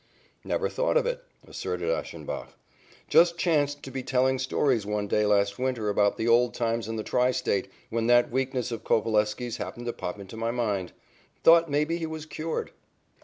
"Never thought of it," asserted Ashenbach. "Just chanced to be telling stories one day last winter about the old times in the Tri State, when that weakness of Coveleski's happened to pop into my mind. Thought maybe he was cured."